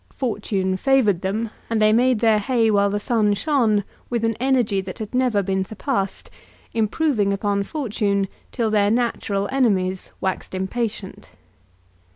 Fortune favoured them, and they made their hay while the sun shone with an energy that had never been surpassed, improving upon Fortune, till their natural enemies waxed impatient.